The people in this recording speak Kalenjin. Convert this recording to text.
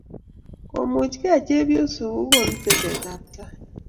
komuchkei chepyosok ko konu teset ab tai